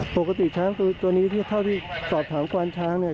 ปกติช้างตัวนี้เท่าที่สอบถามควานช้างเนี่ย